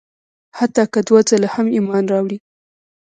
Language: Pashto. حتی که دوه ځله هم ایمان راوړي.